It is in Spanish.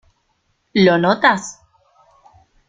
¿ lo notas?